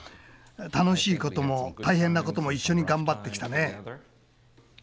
楽しいことも大変なことも一緒に頑張ってきたね。